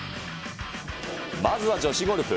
まずは女子ゴルフ。